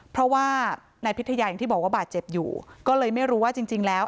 เพราะว่านายพิทยาอย่างที่บอกว่าบาดเจ็บอยู่ก็เลยไม่รู้ว่าจริงจริงแล้ว